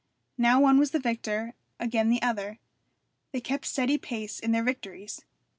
Now one was the victor, again the other. They kept steady pace in their victories.